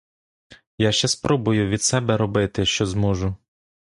Я ще спробую від себе робити, що зможу.